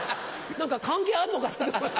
何か関係あるのかなと。